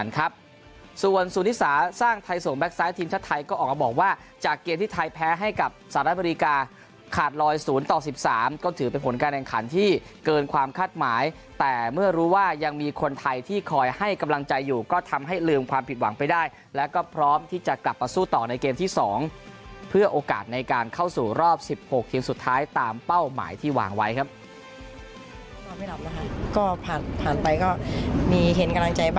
เกิดเพลินความคาดหมายแต่เมื่อรู้ว่ายังมีคนไทยที่คอยให้กำลังใจอยู่ก็ทำให้ลืมความผิดหวังไปได้แล้วก็พร้อมที่จะกลับมาสู้ต่อในเกมที่สองเพื่อโอกาสในการเข้าสู่รอบ๑๖ทีมสุดท้ายตามเป้าหมายที่วางไว้ครับ